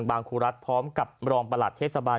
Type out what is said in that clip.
ครูรัฐพร้อมกับรองประหลัดเทศบาล